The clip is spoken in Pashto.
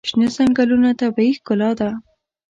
شنه ځنګلونه طبیعي ښکلا ده.